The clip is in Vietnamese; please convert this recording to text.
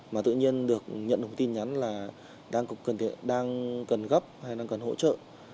mà tự nhiên được nhận được tin nhắn là đang cần gấp hay đang cần hỗ trợ